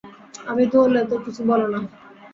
আমি ধরলে তো কিছু বলো না।